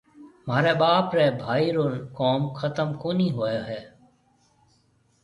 مهاريَ ٻاپ ريَ ڀائي رو ڪوم ختم ڪونَي هوئي هيَ۔